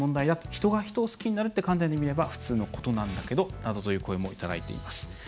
人が人を好きになるって観点で見れば普通のことなんだけど」などという声もいただいています。